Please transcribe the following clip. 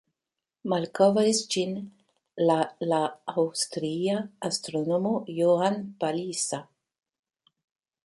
Malkovris ĝin la la aŭstria astronomo Johann Palisa.